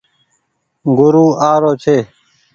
گورو آ رو ڇي۔